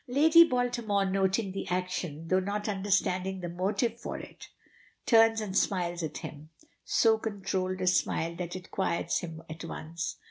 Lady Baltimore, noting the action, though not understanding the motive for it, turns and smiles at him so controlled a smile that it quiets him at once.